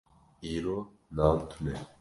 Îro nan tune.